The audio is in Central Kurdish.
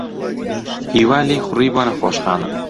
ھیوا لێی خوڕی بۆ نەخۆشخانە.